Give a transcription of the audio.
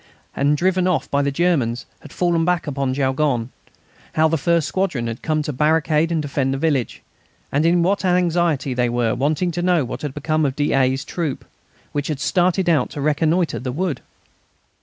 and driven off by the Germans had fallen back upon Jaulgonne; how the first squadron had come to barricade and defend the village, and in what anxiety they were waiting to know what had become of d'A.'s troop, which had started out to reconnoitre the wood.